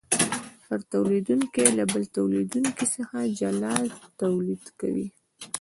هر تولیدونکی له بل تولیدونکي څخه جلا تولید کوي